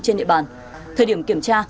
trên địa bàn thời điểm kiểm tra